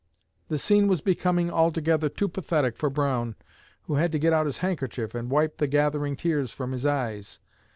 The scene was becoming altogether too pathetic for Brown, who had to get out his handkerchief and wipe the gathering tears from his eyes.